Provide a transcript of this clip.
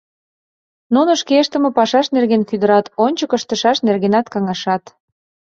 Нуно шке ыштыме пашашт нерген кӱдырат, ончык ыштышаш нергенат каҥашат.